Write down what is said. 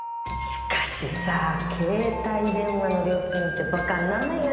しかしさ携帯電話の料金ってバカになんないよね。